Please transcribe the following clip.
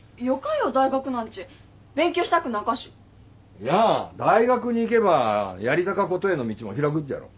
いや大学に行けばやりたかことへの道も開くっじゃろ。